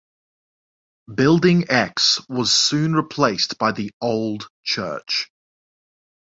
"Building X" was soon replaced by the "Old Church".